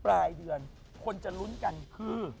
ปลายเดือนคนจะลุ้นกันคือ